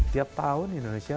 tiap tahun indonesia